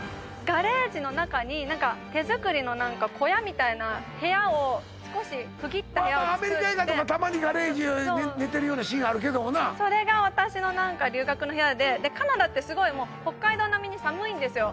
ガレージの中に何か手作りの何か小屋みたいな部屋を少し区切った部屋を作ってまあまあアメリカ映画とかたまにガレージ寝てるようなシーンあるけどもなそれが私の何か留学の部屋ででカナダってすごいもう北海道並みに寒いんですよ